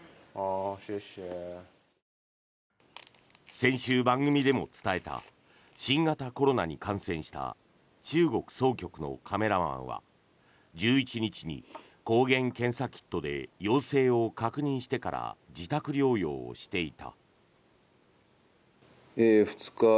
先週、番組でも伝えた新型コロナに感染した中国総局のカメラマンは１１日に、抗原検査キットで陽性を確認してから自宅療養をしていた。